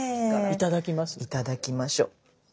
いただきましょう。